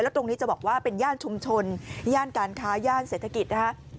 ตรงนี้จะบอกว่าเป็นย่านชุมชนย่านการค้าย่านเศรษฐกิจนะคะ